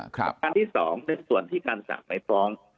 ประการที่สองในส่วนที่การสั่งไม้ฟ้อง